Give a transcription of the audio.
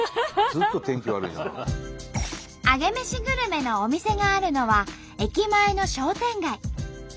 アゲメシグルメのお店があるのは駅前の商店街。